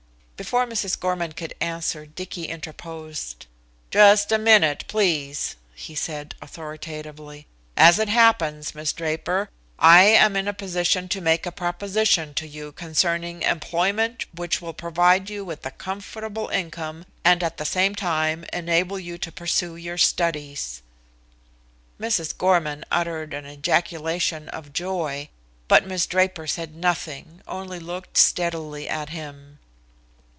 Before Mrs. Gorman could answer Dicky interposed. "Just a minute, please," he said authoritatively. "As it happens, Miss Draper, I am in a position to make a proposition to you concerning employment which will provide you with a comfortable income, and at the same time enable you to pursue your studies." Mrs. Gorman uttered an ejaculation of joy, but Miss Draper said nothing, only looked steadily at him.